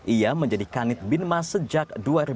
ia menjadi kanit binmas sejak dua ribu dua